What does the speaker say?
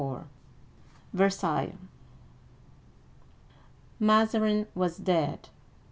VERSAILLES MAZARIN was dead